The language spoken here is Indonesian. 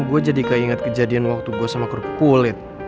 gue jadi gak inget kejadian waktu gue sama kerupuk kulit